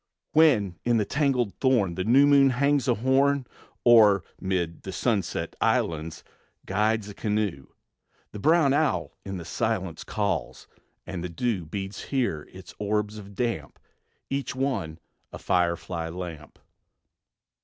When in the tangled thorn The new moon hangs a horn, Or, 'mid the sunset's islands, Guides a canoe, The brown owl in the silence Calls, and the dew Beads here its orbs of damp, Each one a firefly lamp.